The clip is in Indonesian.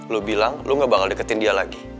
lo bilang lo gak bakal deketin dia lagi